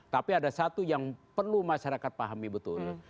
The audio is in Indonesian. tapi ada satu yang perlu masyarakat pahami betul